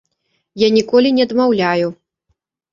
Я ніколі не адмаўляю.